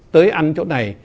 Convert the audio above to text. tới ăn chỗ này